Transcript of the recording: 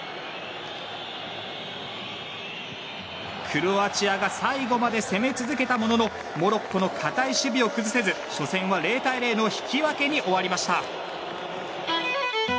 クロアチアが最後まで攻め続けたもののモロッコの堅い守備を崩せず初戦は０対０の引き分けに終わりました。